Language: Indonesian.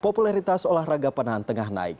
popularitas olahraga panahan tengah naik